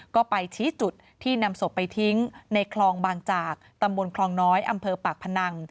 ก็ไปชี้จุดที่นำศพไปทิ้งในคลองบางจากตำบลคลองน้อยอำเภอปากพนัง